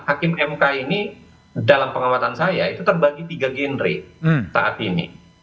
hakim mk ini dalam pengamatan saya itu terbagi tiga genre saat ini